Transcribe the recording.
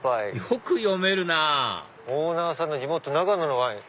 よく読めるなぁオーナーさんの地元長野のワイン。